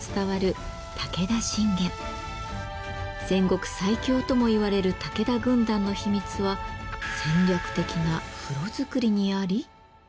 戦国最強ともいわれる武田軍団の秘密は戦略的な風呂づくりにあり？